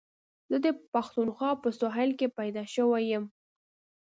زه د پښتونخوا په سهېل کي پيدا شوی یم.